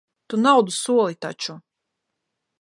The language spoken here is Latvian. Tu naudu soli taču.